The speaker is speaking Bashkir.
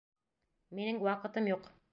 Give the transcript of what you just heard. Минең ваҡытым юҡ!